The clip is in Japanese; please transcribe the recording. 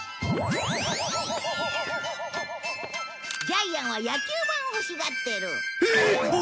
ジャイアンは野球盤を欲しがってる。